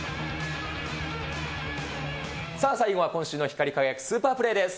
さあ、最後は今週の光り輝くスーパープレーです。